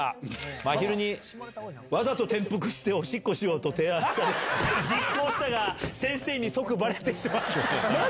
まひるに、わざと転覆しておしっこしようと提案され、実行したが、先生に即ばれてしまった。